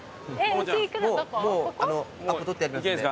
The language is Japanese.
もうアポ取ってありますんで。